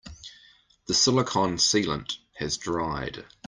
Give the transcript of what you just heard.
The silicon sealant has dried.